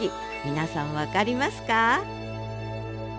皆さん分かりますか？